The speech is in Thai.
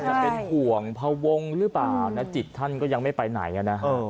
จะเป็นห่วงพวงหรือเปล่านะจิตท่านก็ยังไม่ไปไหนนะ